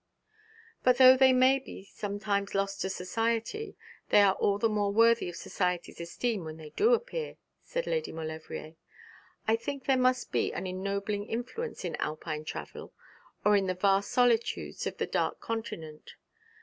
'But though they may be sometimes lost to society, they are all the more worthy of society's esteem when they do appear,' said Lady Maulevrier. 'I think there must be an ennobling influence in Alpine travel, or in the vast solitudes of the Dark Continent.